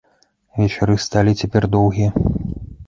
Вечары сталі цяпер доўгія.